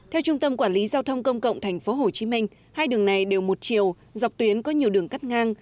theo trung tâm quản lý giao thông công cộng tp hcm hai đường này đều một chiều dọc tuyến có nhiều đường cắt ngang